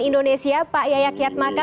indonesia pak yayak yatmaka